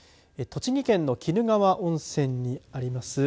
栃木県の鬼怒川温泉にあります